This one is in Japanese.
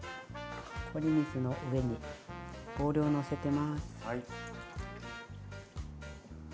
氷水の上にボウルをのせてます。